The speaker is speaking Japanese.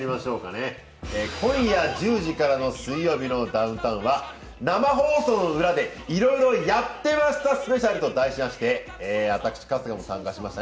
今夜１０時からの「水曜日のダウンタウン」は「生放送の裏で色々やってましたＳＰ」と題しまして私春日も参加しました